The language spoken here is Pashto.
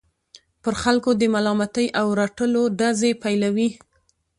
پر خلکو د ملامتۍ او رټلو ډزې پيلوي.